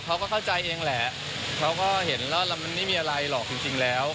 เขาก็เข้าใจเองแหละเขาก็เห็นแล้วมันไม่มีอะไรหรอกจริงแล้ว